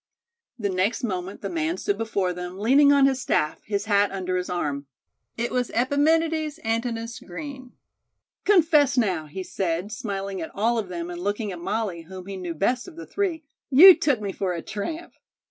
The next moment the man stood before them, leaning on his staff, his hat under his arm. It was "Epiménides Antinous Green." "Confess now," he said, smiling at all of them and looking at Molly, whom he knew best of the three, "you took me for a tramp?"